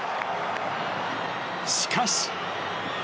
しかし。